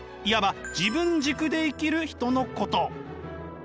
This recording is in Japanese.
いわば自分軸で生きる人のこと。